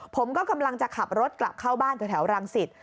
ผมก็กำลังจะขับรถกลับเข้าบ้านแถวรังสิต